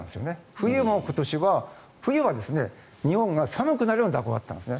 冬も今年は冬は日本が寒くなるような蛇行だったんですね。